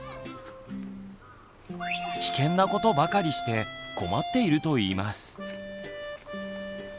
危険なことばかりして困っていると言います。